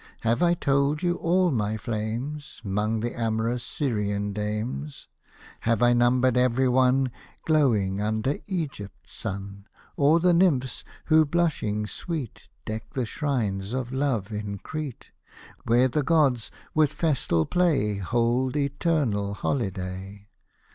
Have I told you all my flames, 'Mong the amorous Syrian dames ? Have I numbered every one, Glowing under Egypt's sun ? Or the nymphs, who blushing sweet Deck the shrine of Love in Crete ; Where the God, with festal play. Holds eternal holiday